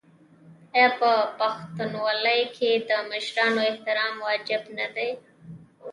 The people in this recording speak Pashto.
آیا په پښتونولۍ کې د مشرانو احترام واجب نه دی؟